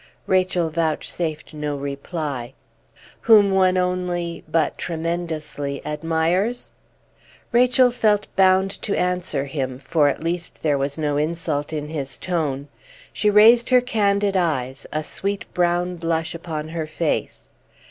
Rachel vouchsafed no reply. "Whom one only but tremendously admires?" Rachel felt bound to answer him, for at least there was no insult in his tone. She raised her candid eyes, a sweet brown blush upon her face.